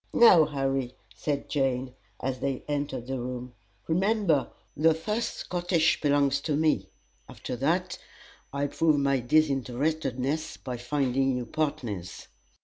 "Now, Harry," said Jane, as they entered the room, "remember, the first schottisch belongs to me. After that, I'll prove my disinterestedness by finding you partners."